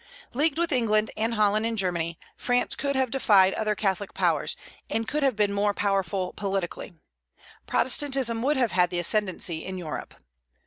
Leagued with England and Holland and Germany, France could have defied other Catholic powers, could have been more powerful politically. Protestantism would have had the ascendency in Europe.